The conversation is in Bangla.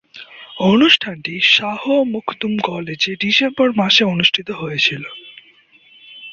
অনুষ্ঠানটি শাহ মখদুম কলেজে ডিসেম্বর মাসে অনুষ্ঠিত হয়েছিলো।